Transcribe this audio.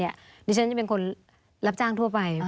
ดิฉันจะเป็นคนรับจ้างทั่วไป